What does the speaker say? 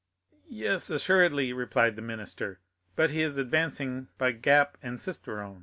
"Yes, assuredly," replied the minister; "but he is advancing by Gap and Sisteron."